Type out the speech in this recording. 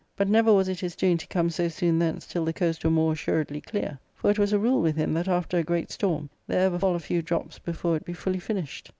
But never was it his doing to come so soon thence till the coast were more assuredly clear ; for it was a rule with him that after a great storm there ever fall a few drops before it be fully finished.